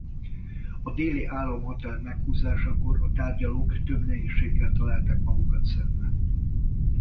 A déli államhatár meghúzásakor a tárgyalók több nehézséggel találták magunkat szembe.